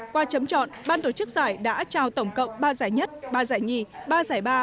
qua chấm chọn ban tổ chức giải đã trao tổng cộng ba giải nhất ba giải nhì ba giải ba